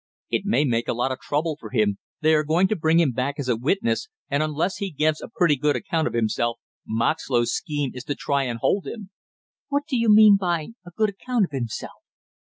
"It may make a lot of trouble for him. They are going to bring him back as a witness, and unless he gives a pretty good account of himself, Moxlow's scheme is to try and hold him " "What do you mean by a good account of himself?"